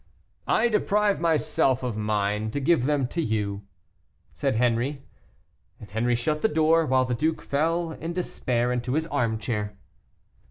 "I deprive myself of mine to give them to you." And Henri shut the door, while the duke fell in despair into his armchair.